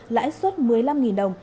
lãi suất một mươi năm đồng